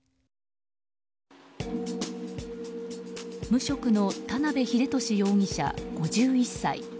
無職の田辺秀敏容疑者、５１歳。